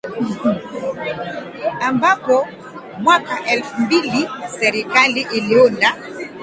ambapo mwaka elfu mbili Serikali iliunda